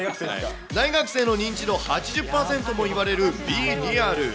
大学生の認知度８０％ともいわれるＢｅＲｅａｌ。